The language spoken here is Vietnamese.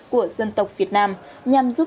của dân tộc việt nam